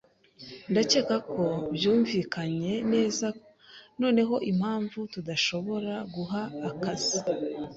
Ndakeka ko byumvikanye neza noneho impamvu tudashobora guha akazi